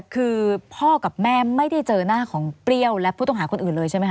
คือพ่อกับแม่ไม่ได้เจอหน้าของเปรี้ยวและผู้ต้องหาคนอื่นเลยใช่ไหมค